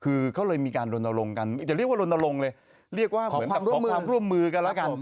คือเขาเลยมีการรณรงค์กันอย่าเรียกว่ารณรงค์เลยเรียกว่าเหมือนกับของความร่วมมือกันแล้วกันครับผม